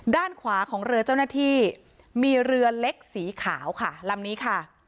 ด้านขวาของเรือเจ้าหน้าที่มีเรือเล็กสีขาวค่ะลำนี้ค่ะ